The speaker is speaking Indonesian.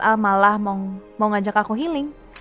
ah malah mau ngajak aku healing